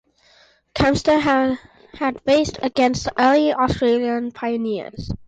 Kempster had raced against the early Australian pioneers.